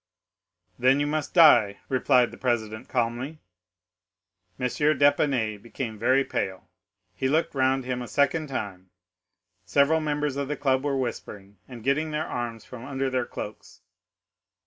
"'"Then you must die," replied the president calmly. M. d'Épinay became very pale; he looked round him a second time, several members of the club were whispering, and getting their arms from under their cloaks.